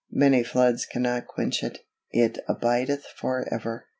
Many floods cannot quench it; it abideth forever.